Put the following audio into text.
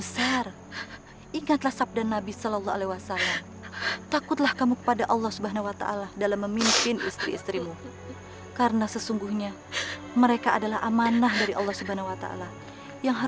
sampai jumpa di video selanjutnya